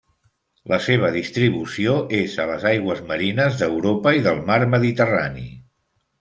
La seva distribució és a les aigües marines d'Europa i del Mar Mediterrani.